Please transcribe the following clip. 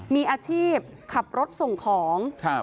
มีอาชีพขับรถส่งของ